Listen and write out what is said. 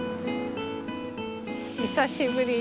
久しぶり。